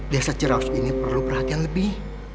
desa ciracu ini perlu perhatian lebih